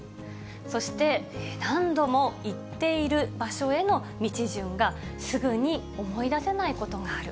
そして、何度も行っている場所への道順がすぐに思い出せないことがある。